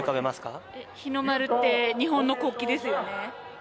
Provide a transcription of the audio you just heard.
・日の丸って日本の国旗ですよね？